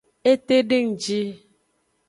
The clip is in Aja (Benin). Etedengji.